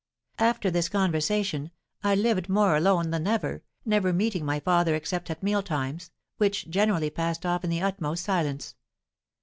After this conversation, I lived more alone than ever, never meeting my father except at mealtimes, which generally passed off in the utmost silence.